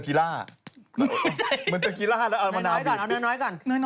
ทำไมน่ะ